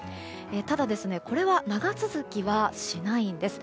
ただ、これは長続きはしないんです。